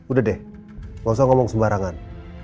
udah deh gak usah ngomong sembarangan